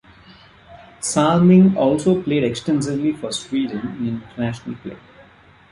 Salming also played extensively for Sweden in international play.